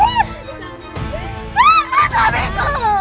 nah ini apa yang terjadi dengan bapak ini